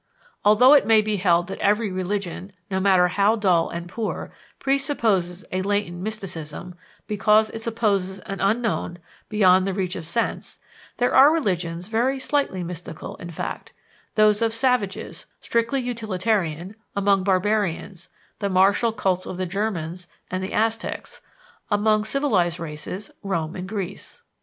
Although it may be held that every religion, no matter how dull and poor, presupposes a latent mysticism, because it supposes an Unknown beyond the reach of sense, there are religions very slightly mystical in fact those of savages, strictly utilitarian; among barbarians, the martial cults of the Germans and the Aztecs; among civilized races, Rome and Greece.